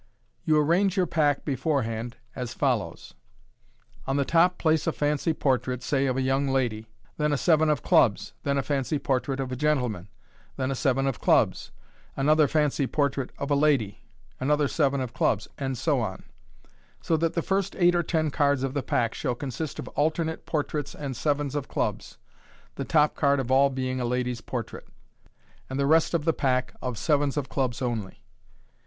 You arrange your pack beforehand as follows :— On the top place a fancy portrait, say of a young lady $ then a seven of clubs, then a fancy portrait of a gentleman, then a seven of clubs j another fancy portrait of a lady, another seven of clubs, and so on 5 so that the first eight or ten cards of the pack shall consist of alternate portraits and sevens of clubs (the top card of all being a lady's portrait), and the rest of the pack of sevens of clubs only.